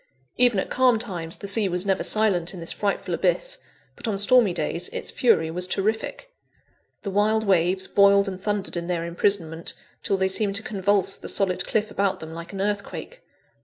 Even at calm times the sea was never silent in this frightful abyss, but on stormy days its fury was terrific. The wild waves boiled and thundered in their imprisonment, till they seemed to convulse the solid cliff about them, like an earthquake.